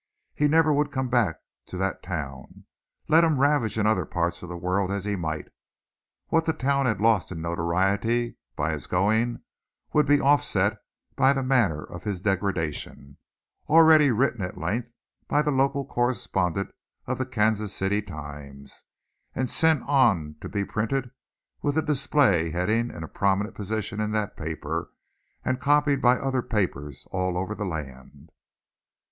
He never would come back to that town, let him ravage in other parts of the world as he might. What the town had lost in notoriety by his going would be offset by the manner of his degradation, already written at length by the local correspondent of the Kansas City Times and sent on to be printed with a display heading in a prominent position in that paper and copied by other papers all over the land.